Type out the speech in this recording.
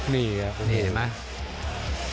นี่เห็นมั้ย